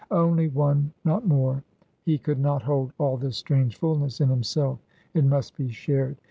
Only one, not more; he could not hold all this strange fullness in himself. It must be shared.